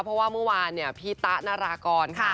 เพราะว่าเมื่อวานพี่ตานารากร